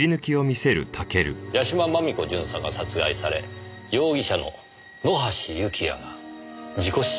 屋島真美子巡査が殺害され容疑者の野橋幸也が事故死しました。